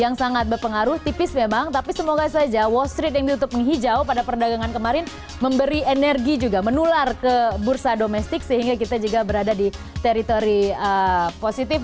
yang sangat berpengaruh tipis memang tapi semoga saja wall street yang ditutup menghijau pada perdagangan kemarin memberi energi juga menular ke bursa domestik sehingga kita juga berada di teritori positif